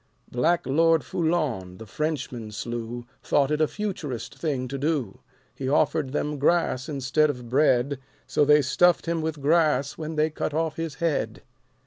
Black Lord Foulon the Frenchman slew Thought it a Futurist thing to do. He offered them grass instead of bread. So they stuffed him with grass when they cut off his head.